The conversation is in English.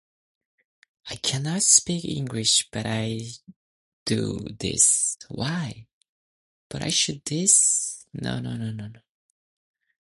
People will still be enjoying them years from now.